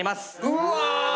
うわ！